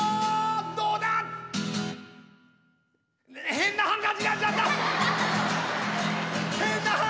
変なハンカチになっちゃった！